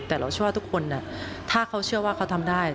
แต่เราเชื่อว่าทุกคนถ้าเขาเชื่อว่าเขาทำได้